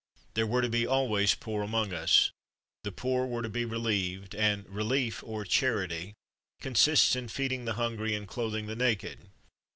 There were to be always poor among us. The poor were to be relieved, and relief, or charity, consists in feeding the hungry and clothing the naked.